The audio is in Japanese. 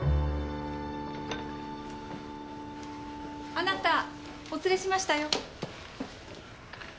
あなたお連れしましたよ。